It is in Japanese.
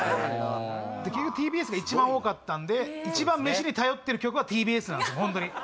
結局ＴＢＳが一番多かったんで一番飯に頼ってる局はＴＢＳなんです